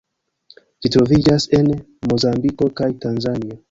Ĝi troviĝas en Mozambiko kaj Tanzanio.